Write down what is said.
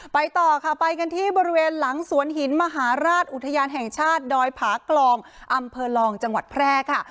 ต่อค่ะไปกันที่บริเวณหลังสวนหินมหาราชอุทยานแห่งชาติดอยผากลองอำเภอลองจังหวัดแพร่ค่ะ